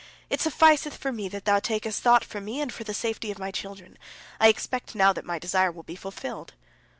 It sufficeth for me that thou takest thought for me and for the safety of my children. I expect now that my desire will be fulfilled."